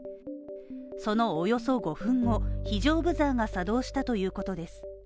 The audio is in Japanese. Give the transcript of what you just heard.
そのおよそ５分後、非常ブザーが作動したということです。